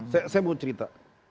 saya mau cerita